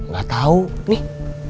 gak tahu nih